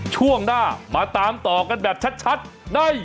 ช่วงหน้ามาตามต่อกันแบบชัดใน